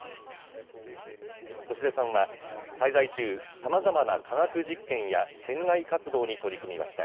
星出さんは滞在中、さまざまな科学実験や船外活動に取り組みました。